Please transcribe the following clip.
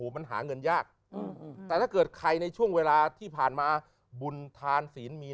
มันหาเงินยากแต่ถ้าเกิดใครในช่วงเวลาที่ผ่านมาบุญทานศีลมี